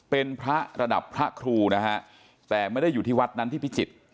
เป็นพระระดับพระครูนะฮะแต่ไม่ได้อยู่ที่วัดนั้นที่พิจิตร